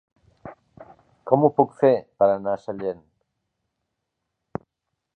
Com ho puc fer per anar a Sellent?